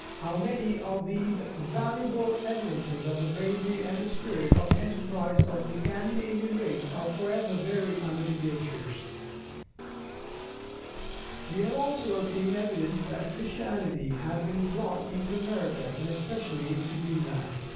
how many of these valuable evidences of the bravery and spirit of enterprise of the Scandinavian race are for ever buried under the glaciers! [Illustration: The Glaciers of Greenland.] We have also obtained evidence that Christianity had been brought into America, and especially into Greenland.